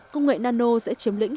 công nghệ nano sẽ chiếm lĩnh